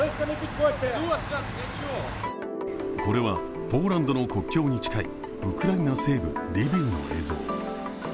これは、ポーランドの国境に近いウクライナ西部リビウの映像。